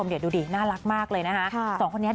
เดี่ยวดูดีน่ารักมากเลยนะคะ